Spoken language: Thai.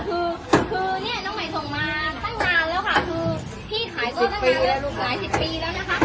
คือคือเนี่ยน้องใหม่ส่งมาตั้งนานแล้วค่ะคือพี่ขายก็ตั้งนานแล้วหลายสิบปีแล้วนะคะ